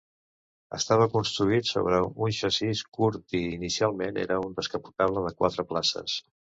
Estava construït sobre un xassís curt i inicialment era un descapotable de quatre places.